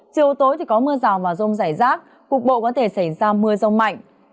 chiều tối thì có mưa rào và rông rải rác cục bộ có thể xảy ra mưa rông mạnh